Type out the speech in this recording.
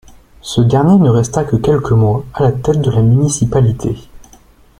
Ce dernier ne resta que quelques mois à la tête de la municipalité.